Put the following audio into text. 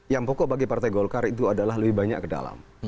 yang pokok bagi partai golkar itu adalah lebih banyak ke dalam